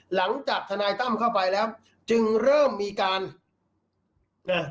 หลังจากทนายตั้มเข้าไปแล้วจึงเริ่มมีการอ่า